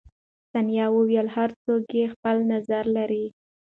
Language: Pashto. ثانیه وویل، هر څوک خپل نظر لري.